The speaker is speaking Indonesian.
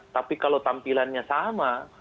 tapi kalau tampilannya sama